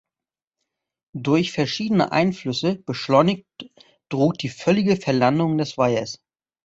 Durch verschiedene Einflüsse beschleunigt droht die völlige Verlandung des Weihers.